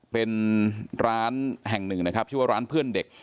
เป็นร้านแห่งหนึ่งนะครับชื่อว่าร้านเพื่อนเด็ก